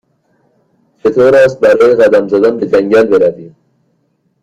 چطور است برای قدم زدن به جنگل برویم؟